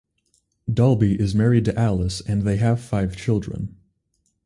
Dalby is married to Alice and they have five children.